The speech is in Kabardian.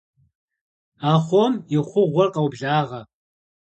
Ахъом и хъугъуэр къоблагъэ.